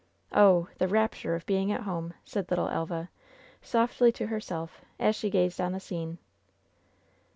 "Oh ! the rapture of being at home !" said little Elva, softly to herself, as she gazed on the scene.